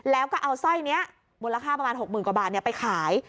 แล้วก็เอาสร้อยเนี้ยมูลค่าประมาณหกหมื่นกว่าบาทเนี้ยไปขาย